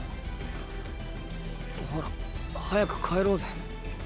ほら早く帰ろうぜ。